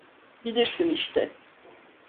Bilirsin işte.